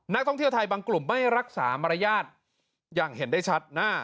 นักท่องเที่ยวไทยบางกลุ่มไม่รักษามารยาทอย่างเห็นได้ชัด